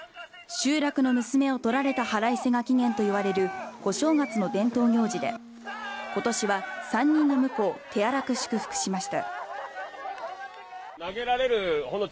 集落の娘を取られた腹いせが起源と言われる小正月の伝統行事で今年は３人の婿を手荒く祝福しました。